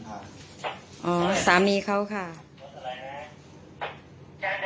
กล้องไม่ได้ครับ